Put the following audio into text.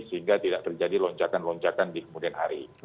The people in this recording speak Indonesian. sehingga tidak terjadi lonjakan lonjakan di kemudian hari